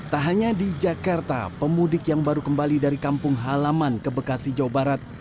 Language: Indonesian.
tak hanya di jakarta pemudik yang baru kembali dari kampung halaman ke bekasi jawa barat